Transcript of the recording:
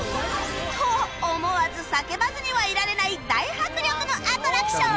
と思わず叫ばずにはいられない大迫力のアトラクション！